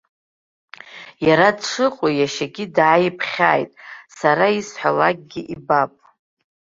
Иара дшыҟоу иашьагьы дааиԥхьааит, сара исҳәалакгьы ибап.